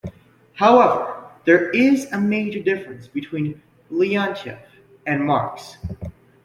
However, there is a major difference between Leontief and Marx.